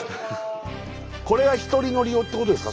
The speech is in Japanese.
これが１人乗り用ってことですか？